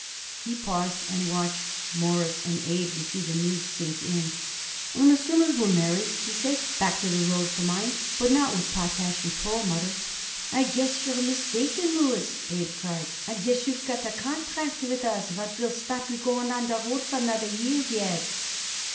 He paused and watched Morris and Abe, to see the news sink in. "And as soon as we're married," he said, "back to the road for mine, but not with Potash & Perlmutter." "I guess you're mistaken, Louis," Abe cried. "I guess you got a contract with us what will stop you going on the road for another year yet."